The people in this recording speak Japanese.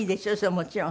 もちろん。